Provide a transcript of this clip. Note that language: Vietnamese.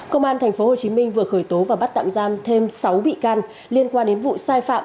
công an tp hcm vừa khởi tố và bắt tạm giam thêm sáu bị can liên quan đến vụ sai phạm